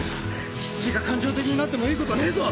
執事が感情的になってもいいことねえぞ。